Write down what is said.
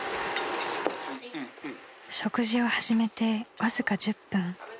［食事を始めてわずか１０分］